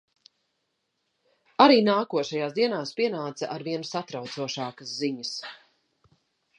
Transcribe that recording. Arī nākošajās dienās pienāca arvien satraucošākas ziņas.